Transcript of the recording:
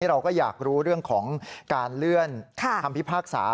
เราก็อยากรู้เรื่องของการเลื่อนคำพิพากษา